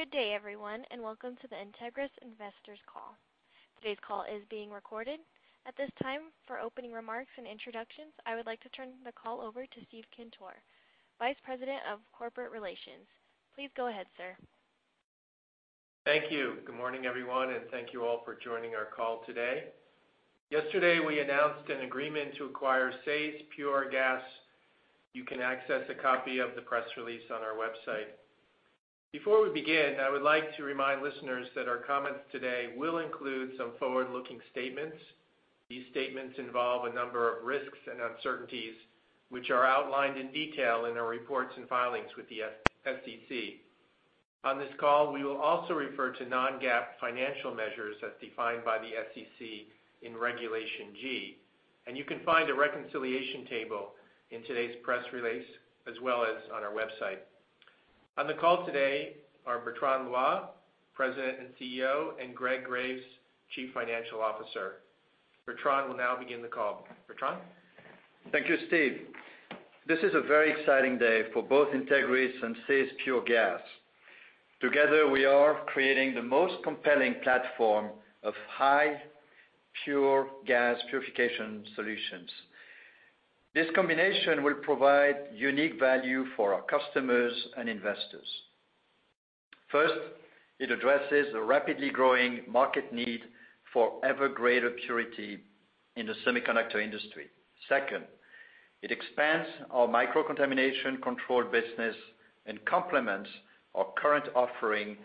Good day, everyone, welcome to the Entegris Investors Call. Today's call is being recorded. At this time, for opening remarks and introductions, I would like to turn the call over to Bill Seymour, Vice President of Corporate Relations. Please go ahead, sir. Thank you. Good morning, everyone, thank you all for joining our call today. Yesterday, we announced an agreement to acquire SAES Pure Gas. You can access a copy of the press release on our website. Before we begin, I would like to remind listeners that our comments today will include some forward-looking statements. These statements involve a number of risks and uncertainties, which are outlined in detail in our reports and filings with the SEC. On this call, we will also refer to non-GAAP financial measures as defined by the SEC in Regulation G. You can find a reconciliation table in today's press release, as well as on our website. On the call today are Bertrand Loy, President and CEO, and Greg Graves, Chief Financial Officer. Bertrand will now begin the call. Bertrand? Thank you, Steve. This is a very exciting day for both Entegris and SAES Pure Gas. Together, we are creating the most compelling platform of high pure gas purification solutions. This combination will provide unique value for our customers and investors. First, it addresses the rapidly growing market need for ever-greater purity in the semiconductor industry. Second, it expands our microcontamination control business and complements our current offering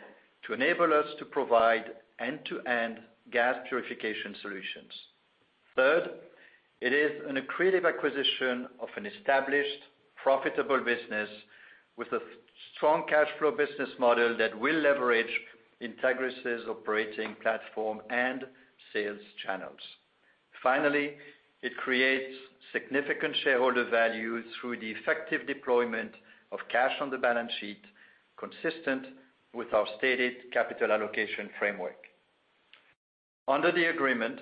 to enable us to provide end-to-end gas purification solutions. Third, it is an accretive acquisition of an established, profitable business with a strong cash flow business model that will leverage Entegris' operating platform and sales channels. Finally, it creates significant shareholder value through the effective deployment of cash on the balance sheet, consistent with our stated capital allocation framework. Under the agreement,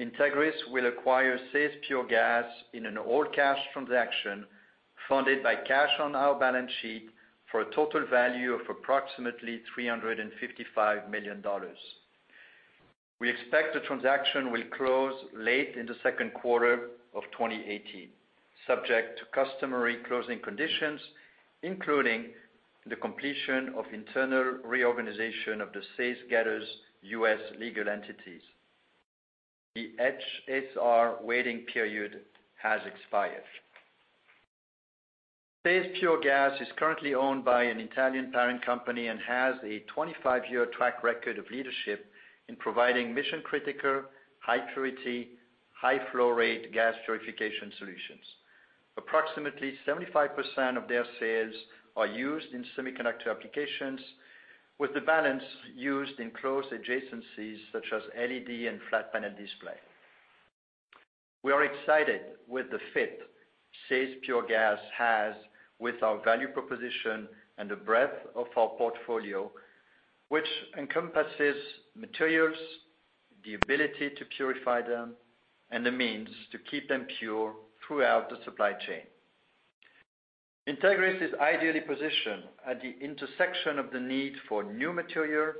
Entegris will acquire SAES Pure Gas in an all-cash transaction funded by cash on our balance sheet for a total value of approximately $355 million. We expect the transaction will close late in the second quarter of 2018, subject to customary closing conditions, including the completion of internal reorganization of the SAES Getters U.S. legal entities. The HSR waiting period has expired. SAES Pure Gas is currently owned by an Italian parent company and has a 25-year track record of leadership in providing mission-critical, high-purity, high-flow rate gas purification solutions. Approximately 75% of their sales are used in semiconductor applications, with the balance used in close adjacencies such as LED and flat panel display. We are excited with the fit SAES Pure Gas has with our value proposition and the breadth of our portfolio, which encompasses materials, the ability to purify them, and the means to keep them pure throughout the supply chain. Entegris is ideally positioned at the intersection of the need for new material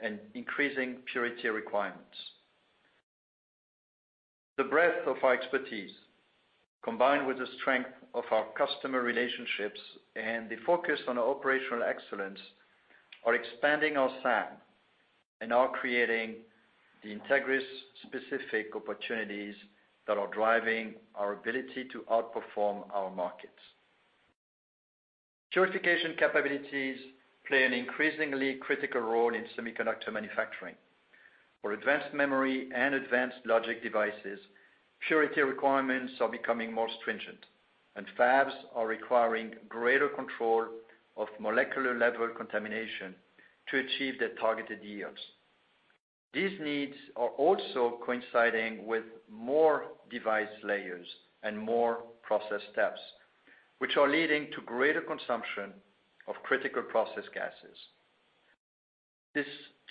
and increasing purity requirements. The breadth of our expertise, combined with the strength of our customer relationships and the focus on operational excellence, are expanding our SAM and are creating the Entegris-specific opportunities that are driving our ability to outperform our markets. Purification capabilities play an increasingly critical role in semiconductor manufacturing. For advanced memory and advanced logic devices, purity requirements are becoming more stringent, and fabs are requiring greater control of molecular-level contamination to achieve their targeted yields. These needs are also coinciding with more device layers and more process steps, which are leading to greater consumption of critical process gases. This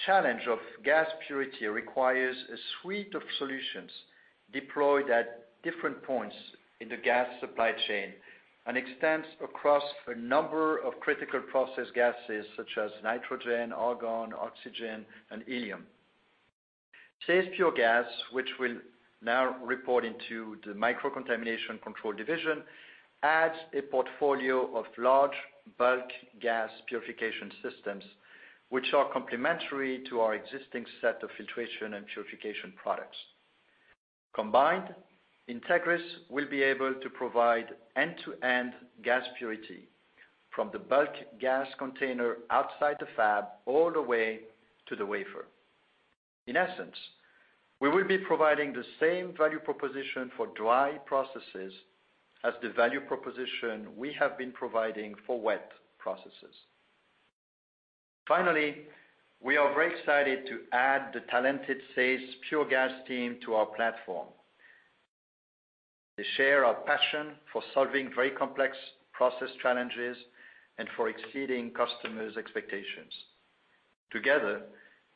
challenge of gas purity requires a suite of solutions deployed at different points in the gas supply chain and extends across a number of critical process gases such as nitrogen, argon, oxygen, and helium. SAES Pure Gas, which will now report into the Microcontamination Control division, adds a portfolio of large bulk gas purification systems, which are complementary to our existing set of filtration and purification products. Combined, Entegris will be able to provide end-to-end gas purity from the bulk gas container outside the fab all the way to the wafer. In essence, we will be providing the same value proposition for dry processes as the value proposition we have been providing for wet processes. Finally, we are very excited to add the talented SAES Pure Gas team to our platform. They share our passion for solving very complex process challenges and for exceeding customers' expectations. Together,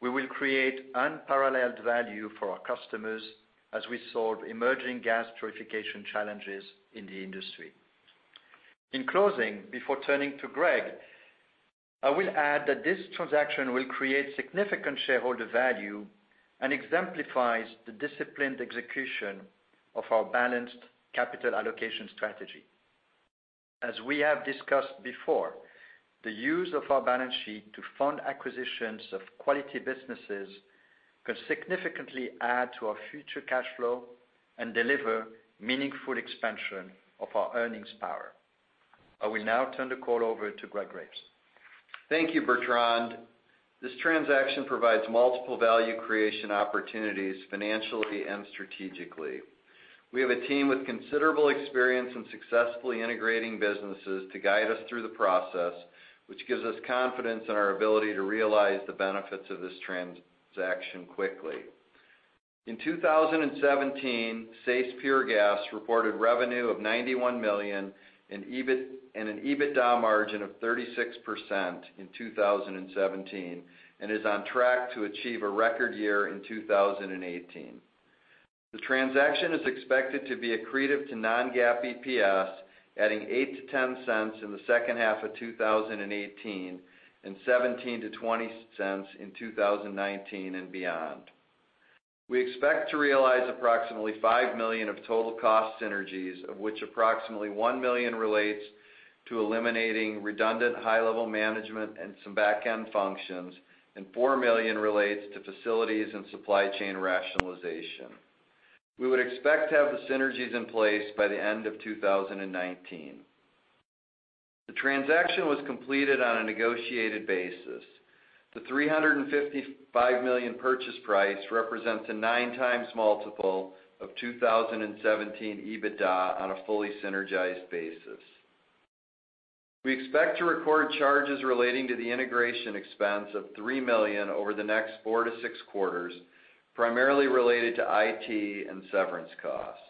we will create unparalleled value for our customers as we solve emerging gas purification challenges in the industry. In closing, before turning to Greg, I will add that this transaction will create significant shareholder value and exemplifies the disciplined execution of our balanced capital allocation strategy. As we have discussed before, the use of our balance sheet to fund acquisitions of quality businesses can significantly add to our future cash flow and deliver meaningful expansion of our earnings power. I will now turn the call over to Greg Graves. Thank you, Bertrand. This transaction provides multiple value creation opportunities financially and strategically. We have a team with considerable experience in successfully integrating businesses to guide us through the process, which gives us confidence in our ability to realize the benefits of this transaction quickly. In 2017, SAES Pure Gas reported revenue of $91 million and an EBITDA margin of 36% in 2017 and is on track to achieve a record year in 2018. The transaction is expected to be accretive to non-GAAP EPS, adding $0.08-$0.10 in the second half of 2018, and $0.17-$0.20 in 2019 and beyond. We expect to realize approximately $5 million of total cost synergies, of which approximately $1 million relates to eliminating redundant high-level management and some back-end functions, and $4 million relates to facilities and supply chain rationalization. We would expect to have the synergies in place by the end of 2019. The transaction was completed on a negotiated basis. The $355 million purchase price represents a nine times multiple of 2017 EBITDA on a fully synergized basis. We expect to record charges relating to the integration expense of $3 million over the next four to six quarters, primarily related to IT and severance costs.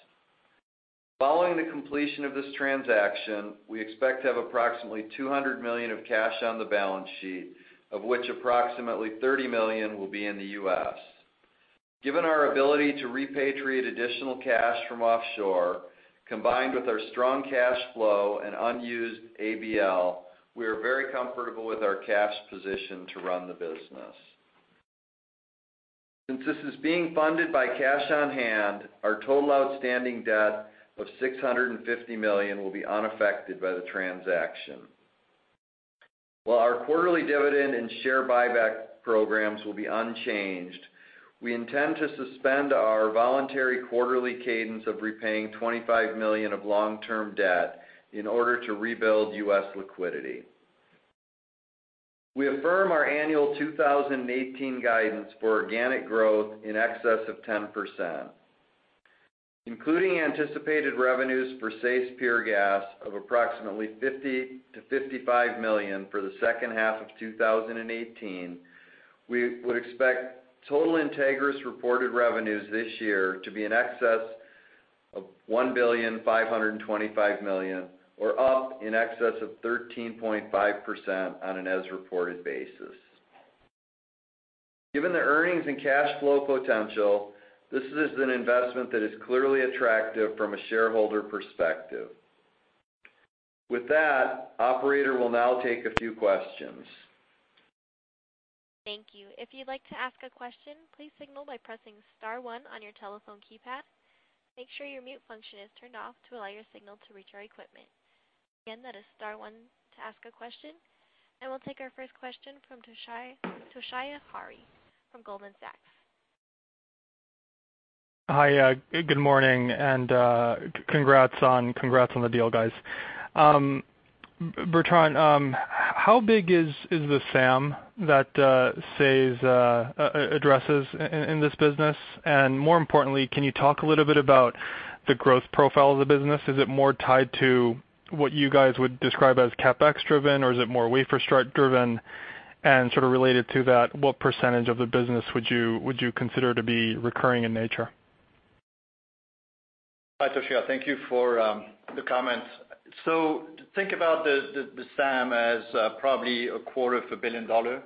Following the completion of this transaction, we expect to have approximately $200 million of cash on the balance sheet, of which approximately $30 million will be in the U.S. Given our ability to repatriate additional cash from offshore, combined with our strong cash flow and unused ABL, we are very comfortable with our cash position to run the business. Since this is being funded by cash on hand, our total outstanding debt of $650 million will be unaffected by the transaction. While our quarterly dividend and share buyback programs will be unchanged, we intend to suspend our voluntary quarterly cadence of repaying $25 million of long-term debt in order to rebuild U.S. liquidity. We affirm our annual 2018 guidance for organic growth in excess of 10%. Including anticipated revenues for SAES Pure Gas of approximately $50 million to $55 million for the second half of 2018, we would expect total Entegris-reported revenues this year to be in excess of $1.525 billion, or up in excess of 13.5% on an as-reported basis. Given the earnings and cash flow potential, this is an investment that is clearly attractive from a shareholder perspective. With that, operator, we'll now take a few questions. Thank you. If you'd like to ask a question, please signal by pressing star one on your telephone keypad. Make sure your mute function is turned off to allow your signal to reach our equipment. Again, that is star one to ask a question. We'll take our first question from Toshiya Hari from Goldman Sachs. Hi, good morning, congrats on the deal, guys. Bertrand, how big is the SAM that SAES addresses in this business? More importantly, can you talk a little bit about the growth profile of the business? Is it more tied to what you guys would describe as CapEx-driven, or is it more wafer start-driven? Sort of related to that, what percentage of the business would you consider to be recurring in nature? Hi, Toshiya. Thank you for the comments. Think about the SAM as probably a quarter of a billion dollars,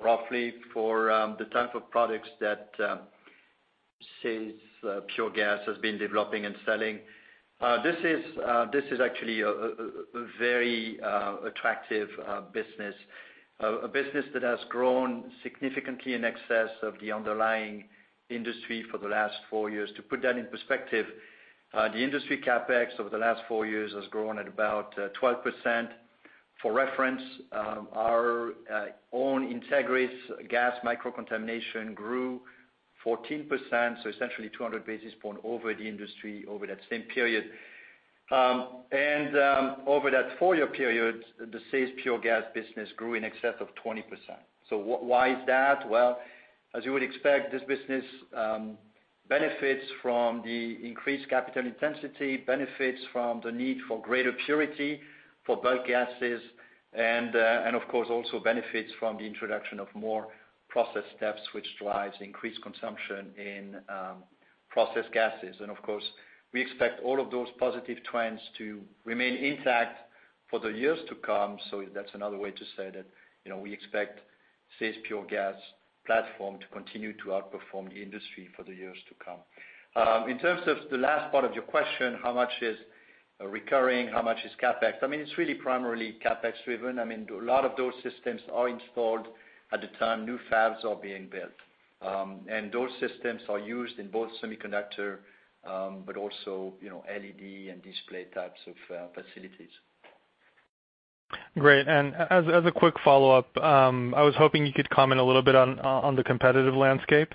roughly, for the type of products that SAES Pure Gas has been developing and selling. This is actually a very attractive business, a business that has grown significantly in excess of the underlying industry for the last four years. To put that in perspective, the industry CapEx over the last four years has grown at about 12%. For reference, our own Entegris gas microcontamination grew 14%, essentially 200 basis points over the industry over that same period. Over that four-year period, the SAES Pure Gas business grew in excess of 20%. Why is that? Well, as you would expect, this business benefits from the increased capital intensity, benefits from the need for greater purity for bulk gases, and of course, also benefits from the introduction of more process steps, which drives increased consumption in process gases. Of course, we expect all of those positive trends to remain intact for the years to come, so that's another way to say that we expect SAES Pure Gas platform to continue to outperform the industry for the years to come. In terms of the last part of your question, how much is recurring? How much is CapEx? It's really primarily CapEx driven. A lot of those systems are installed at the time new fabs are being built. Those systems are used in both semiconductor, but also LED and display types of facilities. Great. As a quick follow-up, I was hoping you could comment a little bit on the competitive landscape.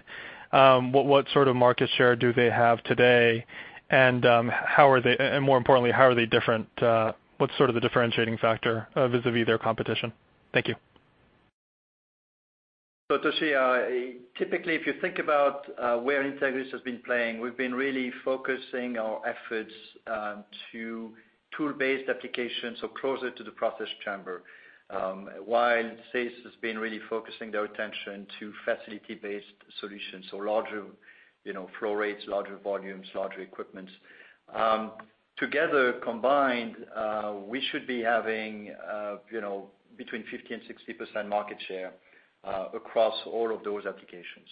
What sort of market share do they have today, and more importantly, how are they different? What's sort of the differentiating factor vis-a-vis their competition? Thank you. Toshi, typically, if you think about where Entegris has been playing, we've been really focusing our efforts to tool-based applications, closer to the process chamber. While SAES has been really focusing their attention to facility-based solutions. Larger flow rates, larger volumes, larger equipments. Together, combined, we should be having between 50%-60% market share across all of those applications.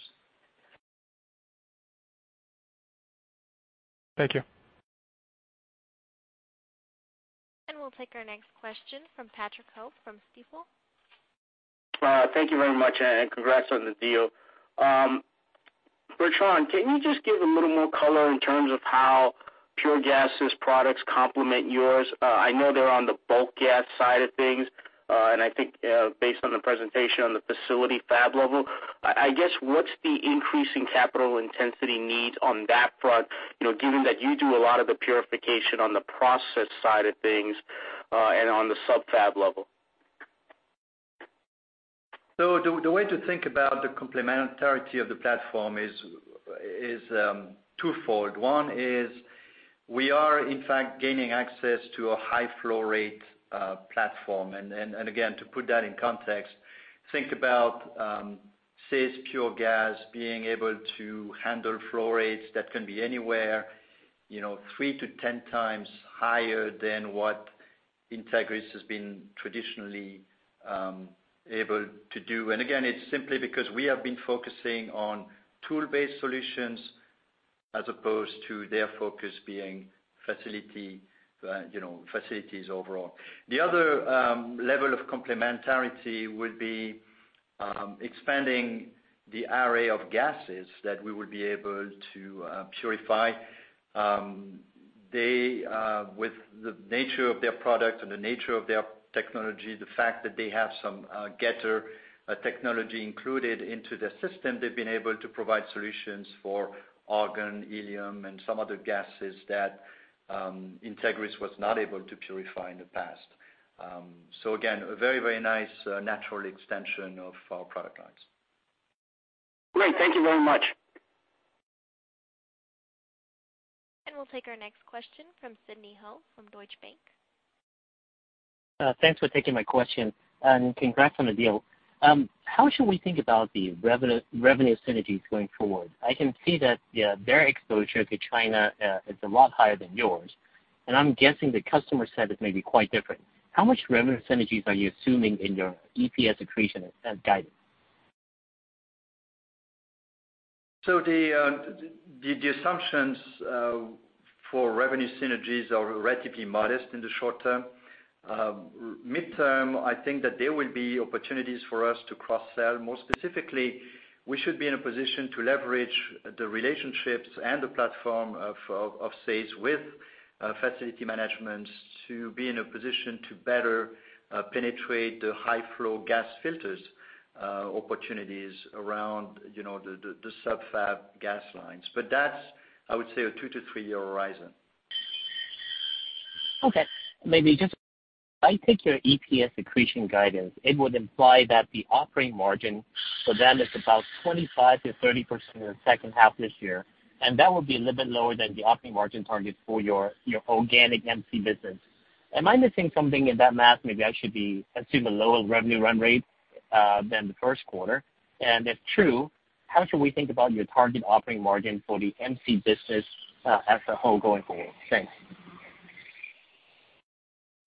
Thank you. We'll take our next question from Patrick Ho from Stifel. Thank you very much, congrats on the deal. Bertrand, can you just give a little more color in terms of how Pure Gas's products complement yours? I know they're on the bulk gas side of things, I think based on the presentation on the facility fab level, I guess, what's the increasing capital intensity needs on that front, given that you do a lot of the purification on the process side of things, and on the sub-fab level? The way to think about the complementarity of the platform is twofold. One is we are, in fact, gaining access to a high flow rate platform. Again, to put that in context, think about SAES Pure Gas being able to handle flow rates that can be anywhere three to 10 times higher than what Entegris has been traditionally able to do. Again, it's simply because we have been focusing on tool-based solutions as opposed to their focus being facilities overall. The other level of complementarity will be expanding the array of gases that we would be able to purify. With the nature of their product and the nature of their technology, the fact that they have some getter technology included into their system, they've been able to provide solutions for argon, helium, and some other gases that Entegris was not able to purify in the past. Again, a very, very nice natural extension of our product lines. Great. Thank you very much. We'll take our next question from Sidney Ho from Deutsche Bank. Thanks for taking my question, and congrats on the deal. How should we think about the revenue synergies going forward? I can see that their exposure to China is a lot higher than yours, and I'm guessing the customer set is maybe quite different. How much revenue synergies are you assuming in your EPS accretion guidance? The assumptions for revenue synergies are relatively modest in the short term. Midterm, there will be opportunities for us to cross-sell. More specifically, we should be in a position to leverage the relationships and the platform of SAES with facility management to be in a position to better penetrate the high flow gas filters opportunities around the sub-fab gas lines. That's, I would say, a 2 to 3-year horizon. Okay. Maybe just if I take your EPS accretion guidance, it would imply that the operating margin for them is about 25%-30% in the second half this year, and that would be a little bit lower than the operating margin target for your organic MC business. Am I missing something in that math? Maybe I should assume a lower revenue run rate than the first quarter. If true, how should we think about your target operating margin for the MC business as a whole going forward? Thanks.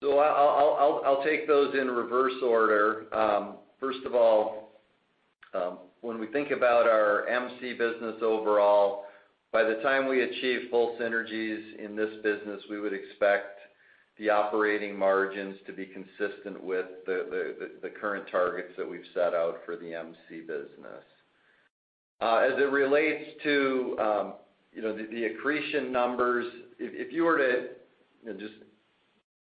I'll take those in reverse order. First of all, when we think about our MC business overall, by the time we achieve full synergies in this business, we would expect the operating margins to be consistent with the current targets that we've set out for the MC business. As it relates to the accretion numbers, if you were to just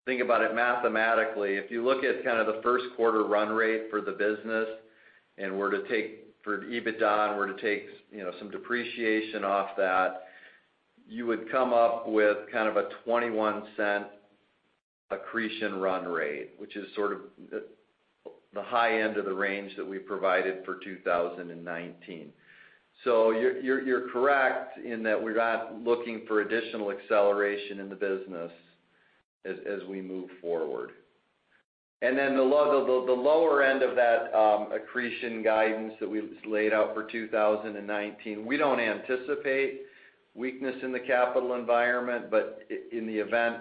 think about it mathematically, if you look at the first quarter run rate for the business and were to take for EBITDA and were to take some depreciation off that, you would come up with a $0.21 accretion run rate, which is sort of the high end of the range that we provided for 2019. You're correct in that we're not looking for additional acceleration in the business as we move forward. The lower end of that accretion guidance that we laid out for 2019, we don't anticipate weakness in the capital environment. In the event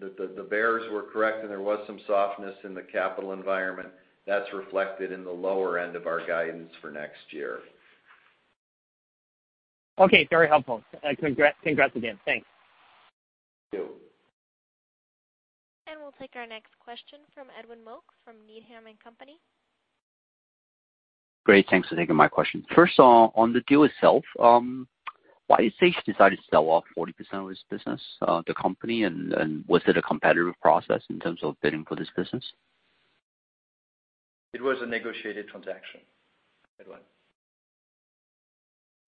that the bears were correct and there was some softness in the capital environment, that's reflected in the lower end of our guidance for next year. Okay. Very helpful. Congrats again. Thanks. Thank you. We'll take our next question from Edwin Mok from Needham & Company. Great. Thanks for taking my question. First of all, on the deal itself, why has SAES decided to sell off 40% of its business, the company, and was it a competitive process in terms of bidding for this business? It was a negotiated transaction, Edwin.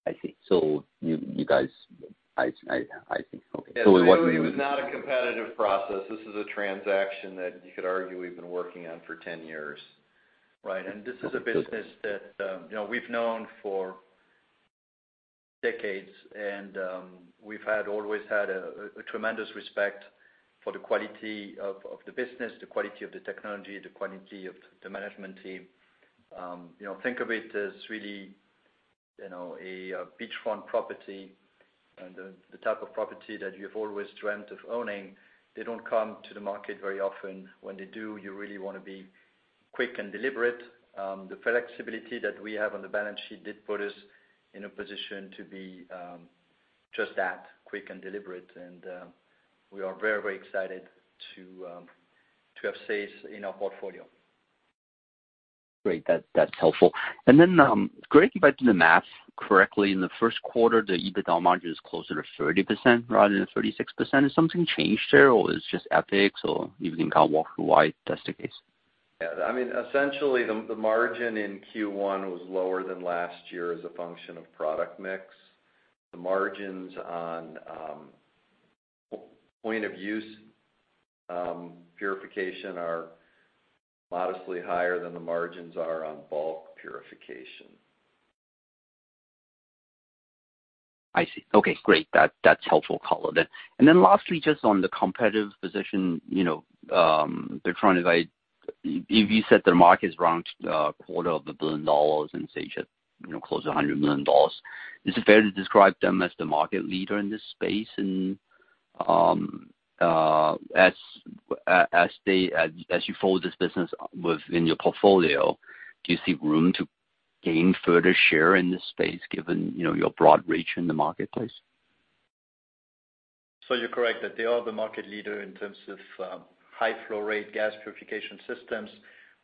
I see. You guys I see. Okay. It was not a competitive process. This is a transaction that you could argue we've been working on for 10 years. Right. This is a business that we've known for decades, and we've always had a tremendous respect for the quality of the business, the quality of the technology, the quality of the management team. Think of it as really a beachfront property, and the type of property that you've always dreamt of owning. They don't come to the market very often. When they do, you really want to be quick and deliberate. The flexibility that we have on the balance sheet did put us in a position to be just that, quick and deliberate. We are very excited to have SAES in our portfolio. Great. That's helpful. Greg, if I'm doing the math correctly, in the first quarter, the EBITDA margin is closer to 30% rather than 36%. Has something changed there, or it's just ethic? If you can walk through why that's the case. Yeah. Essentially, the margin in Q1 was lower than last year as a function of product mix. The margins on point of use purification are modestly higher than the margins are on bulk purification. I see. Okay. Great. That's helpful color, then. Lastly, just on the competitive position, If you said their market is around a quarter of a billion dollars and SAES at close to $100 million, is it fair to describe them as the market leader in this space? As you fold this business within your portfolio, do you see room to gain further share in this space given your broad reach in the marketplace? You're correct that they are the market leader in terms of high flow rate gas purification systems.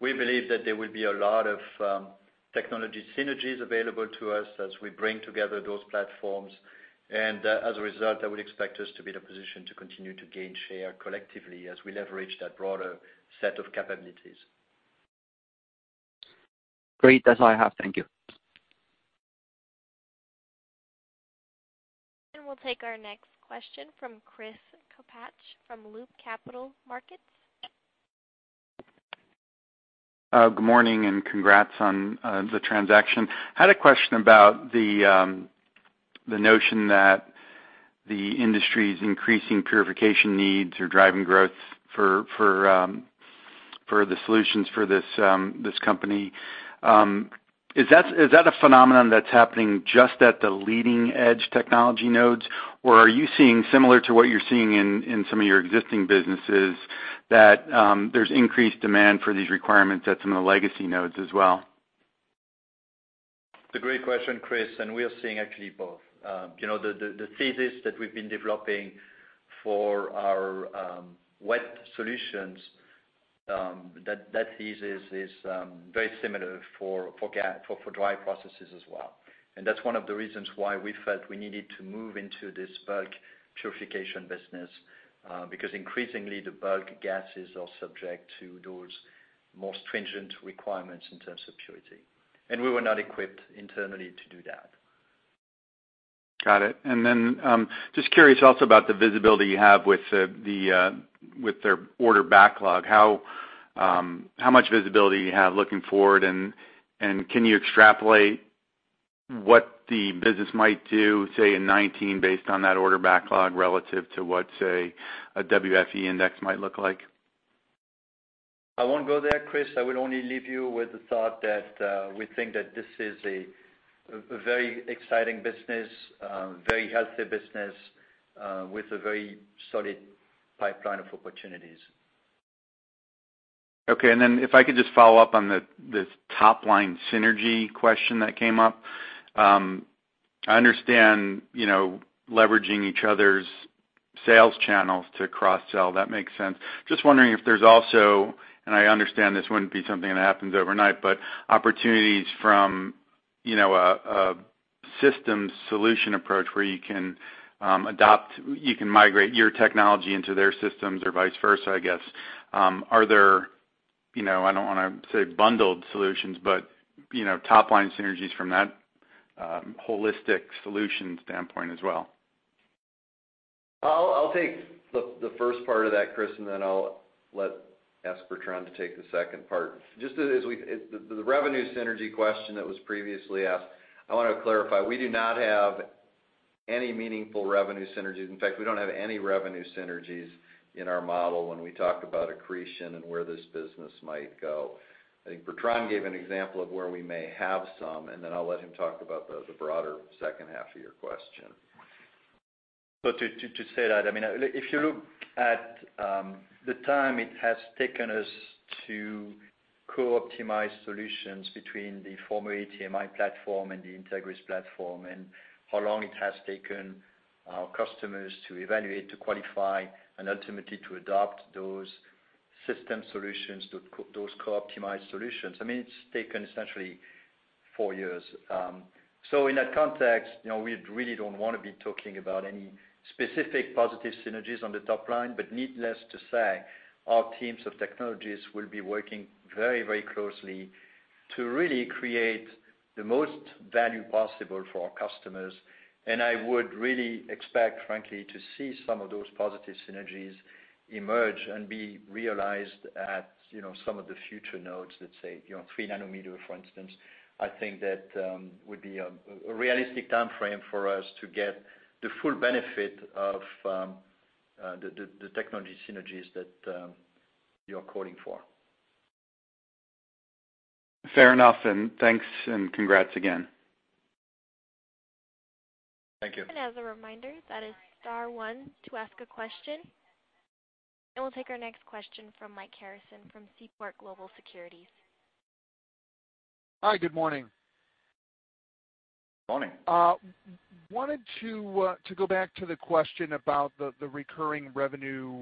We believe that there will be a lot of technology synergies available to us as we bring together those platforms. As a result, I would expect us to be in a position to continue to gain share collectively as we leverage that broader set of capabilities. Great. That's all I have. Thank you. We'll take our next question from Chris Kapsch from Loop Capital Markets. Good morning. Congrats on the transaction. Had a question about the notion that the industry's increasing purification needs are driving growth for the solutions for this company. Is that a phenomenon that's happening just at the leading-edge technology nodes? Or are you seeing similar to what you're seeing in some of your existing businesses, that there's increased demand for these requirements at some of the legacy nodes as well? It's a great question, Chris, and we are seeing actually both. The thesis that we've been developing for our wet solutions, that thesis is very similar for dry processes as well. That's one of the reasons why we felt we needed to move into this bulk purification business, because increasingly, the bulk gases are subject to those more stringent requirements in terms of purity. We were not equipped internally to do that. Got it. Then, just curious also about the visibility you have with their order backlog. How much visibility do you have looking forward, and can you extrapolate what the business might do, say, in 2019, based on that order backlog relative to what a WFE index might look like? I won't go there, Chris. I would only leave you with the thought that we think that this is a very exciting business, very healthy business, with a very solid pipeline of opportunities. Okay. Then if I could just follow up on the top-line synergy question that came up. I understand leveraging each other's sales channels to cross-sell. That makes sense. Just wondering if there's also, and I understand this wouldn't be something that happens overnight, but opportunities from a systems solution approach where you can migrate your technology into their systems or vice versa, I guess. Are there, I don't want to say bundled solutions, but top-line synergies from that holistic solution standpoint as well? I'll take the first part of that, Chris, then I'll let Bertrand take the second part. The revenue synergy question that was previously asked, I want to clarify, we do not have any meaningful revenue synergies. In fact, we don't have any revenue synergies in our model when we talk about accretion and where this business might go. I think Bertrand gave an example of where we may have some, then I'll let him talk about the broader second half of your question. To say that, if you look at the time it has taken us to co-optimize solutions between the former ATMI platform and the Entegris platform, and how long it has taken our customers to evaluate, to qualify, and ultimately to adopt those system solutions, those co-optimized solutions. It's taken essentially four years. In that context, we really don't want to be talking about any specific positive synergies on the top line, but needless to say, our teams of technologists will be working very closely to really create the most value possible for our customers. I would really expect, frankly, to see some of those positive synergies emerge and be realized at some of the future nodes, let's say, 3 nm, for instance. I think that would be a realistic timeframe for us to get the full benefit of the technology synergies that you're calling for. Fair enough. Thanks, and congrats again. Thank you. As a reminder, that is star one to ask a question. We'll take our next question from Mike Harrison from Seaport Global Securities. Hi, good morning. Morning. Wanted to go back to the question about the recurring revenue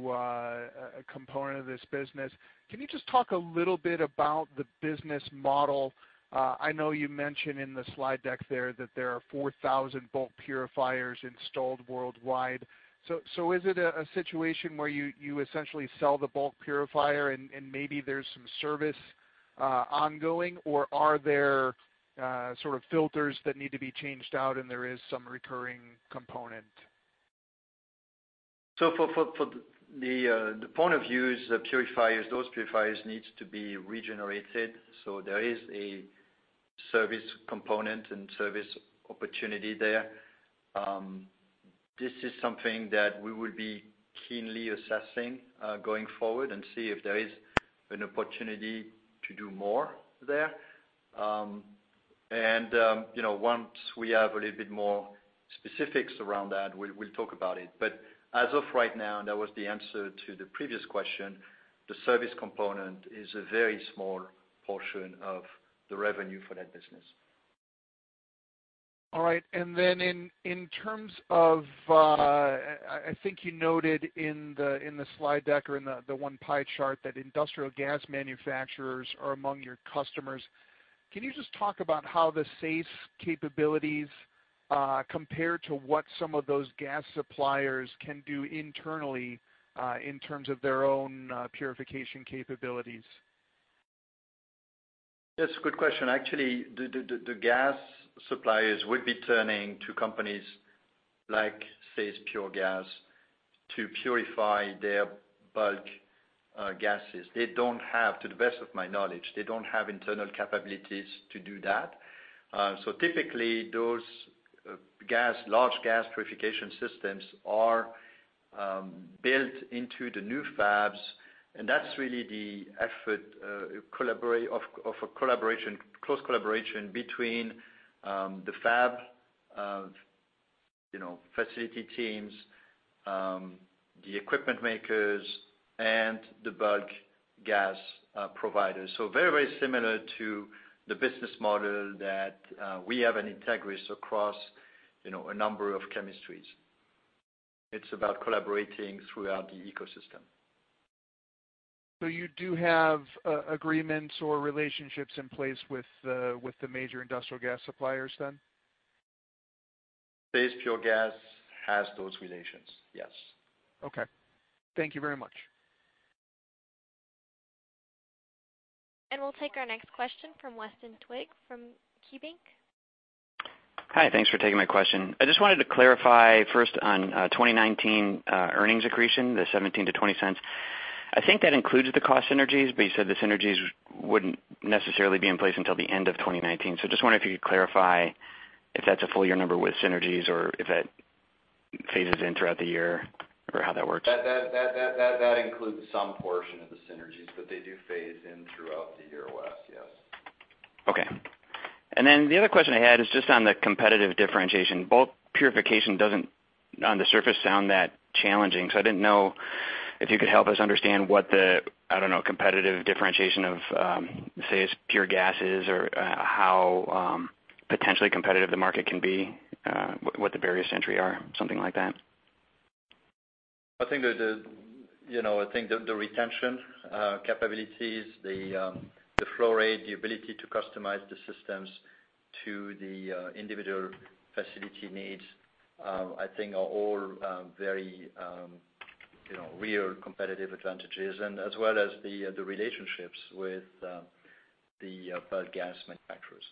component of this business. Can you just talk a little bit about the business model? I know you mentioned in the slide deck there that there are 4,000 bulk purifiers installed worldwide. Is it a situation where you essentially sell the bulk purifier and maybe there's some service ongoing, or are there sort of filters that need to be changed out, and there is some recurring component? For the point of use, those purifiers needs to be regenerated. There is a service component and service opportunity there. This is something that we will be keenly assessing going forward and see if there is an opportunity to do more there. Once we have a little bit more specifics around that, we'll talk about it. As of right now, that was the answer to the previous question. The service component is a very small portion of the revenue for that business. All right. Then in terms of, I think you noted in the slide deck or in the one pie chart that industrial gas manufacturers are among your customers. Can you just talk about how the SAES capabilities compare to what some of those gas suppliers can do internally in terms of their own purification capabilities? That's a good question. Actually, the gas suppliers will be turning to companies like SAES Pure Gas to purify their bulk gases. To the best of my knowledge, they don't have internal capabilities to do that. Typically, those large gas purification systems are built into the new fabs, that's really the effort of a close collaboration between the fab facility teams, the equipment makers, and the bulk gas providers. Very similar to the business model that we have in Entegris across a number of chemistries. It's about collaborating throughout the ecosystem. You do have agreements or relationships in place with the major industrial gas suppliers then? SAES Pure Gas has those relations, yes. Okay. Thank you very much. We'll take our next question from Weston Twigg from KeyBank. Hi. Thanks for taking my question. I just wanted to clarify first on 2019 earnings accretion, the $0.17-$0.20. I think that includes the cost synergies, but you said the synergies wouldn't necessarily be in place until the end of 2019. Just wondering if you could clarify if that's a full year number with synergies or if that phases in throughout the year, or how that works. That includes some portion of the synergies, but they do phase in throughout the year, Wes. Yes. Okay. The other question I had is just on the competitive differentiation. bulk purification doesn't, on the surface, sound that challenging, so I didn't know if you could help us understand what the, I don't know, competitive differentiation of SAES Pure Gas is, or how potentially competitive the market can be, what the barriers to entry are, something like that. I think the retention capabilities, the flow rate, the ability to customize the systems to the individual facility needs I think are all very real competitive advantages. As well as the relationships with the bulk gas manufacturers.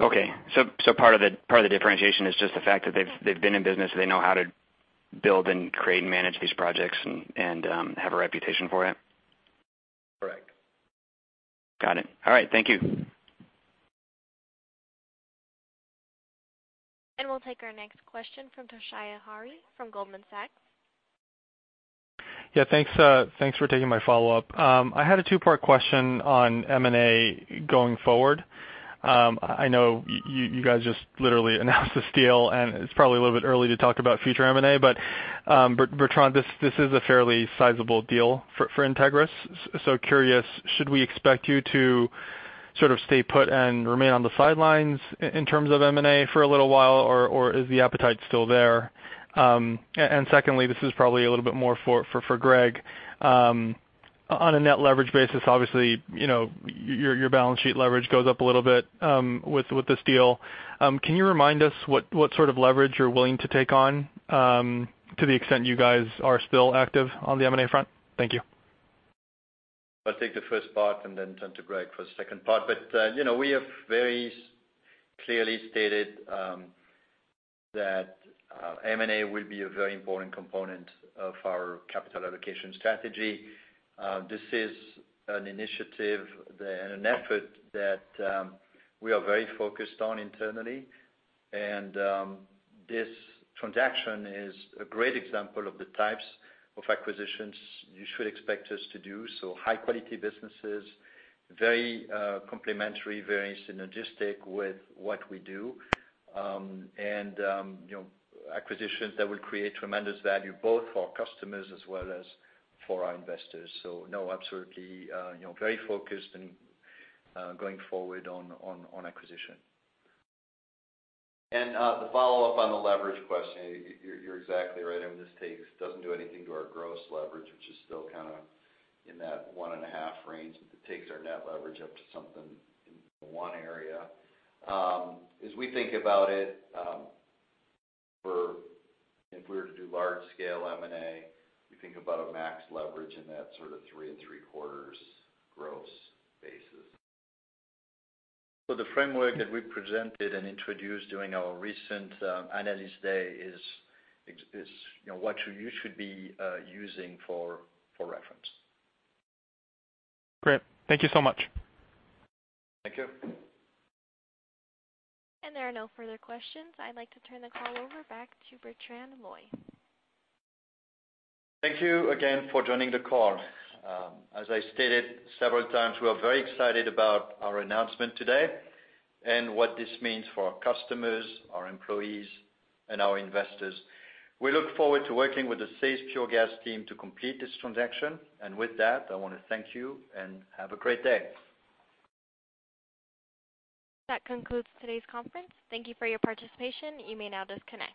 Okay. Part of the differentiation is just the fact that they've been in business, they know how to build and create and manage these projects and have a reputation for it? Correct. Got it. All right. Thank you. We'll take our next question from Toshiya Hari from Goldman Sachs. Thanks for taking my follow-up. I had a two-part question on M&A going forward. I know you guys just literally announced this deal, and it's probably a little bit early to talk about future M&A, but Bertrand, this is a fairly sizable deal for Entegris. Curious, should we expect you to sort of stay put and remain on the sidelines in terms of M&A for a little while, or is the appetite still there? Secondly, this is probably a little bit more for Greg. On a net leverage basis, obviously, your balance sheet leverage goes up a little bit with this deal. Can you remind us what sort of leverage you're willing to take on to the extent you guys are still active on the M&A front? Thank you. I'll take the first part and then turn to Greg for the second part. We have very clearly stated that M&A will be a very important component of our capital allocation strategy. This is an initiative and an effort that we are very focused on internally. This transaction is a great example of the types of acquisitions you should expect us to do. High-quality businesses, very complementary, very synergistic with what we do. Acquisitions that will create tremendous value both for our customers as well as for our investors. No, absolutely, very focused and going forward on acquisition. The follow-up on the leverage question, you're exactly right. I mean, this doesn't do anything to our gross leverage, which is still kind of in that one and a half range. It takes our net leverage up to something in the one area. As we think about it, if we were to do large-scale M&A, we think about a max leverage in that sort of three and three-quarters gross basis. The framework that we presented and introduced during our recent analyst day is what you should be using for reference. Great. Thank you so much. Thank you. There are no further questions. I'd like to turn the call over back to Bertrand Loy. Thank you again for joining the call. As I stated several times, we are very excited about our announcement today and what this means for our customers, our employees, and our investors. We look forward to working with the SAES Pure Gas team to complete this transaction. With that, I want to thank you and have a great day. That concludes today's conference. Thank you for your participation. You may now disconnect.